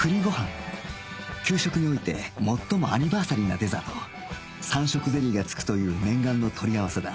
給食において最もアニバーサリーなデザート三色ゼリーが付くという念願の取り合わせだ